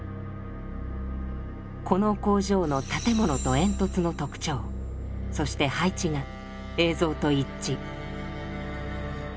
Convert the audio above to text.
この工場の建物と煙突の特徴そして配置が映像と一致。